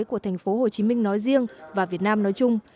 của tp hcm nói riêng và việt nam nói chung